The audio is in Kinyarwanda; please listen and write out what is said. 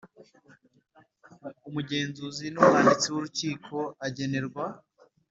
Umugenzuzi n umwanditsi w urukiko agenerwa